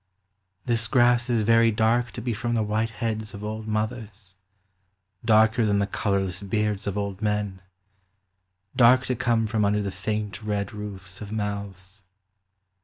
This grass is very dark to be from the white heads of old mothers, Darker than the colorless beards of old men, Dark to come from under the faint red roofs of mouths.